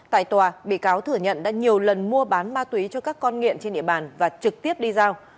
tại tòa bị cáo thừa nhận đã nhiều lần mua bán ma túy cho các con nghiện trên địa bàn và trực tiếp đi giao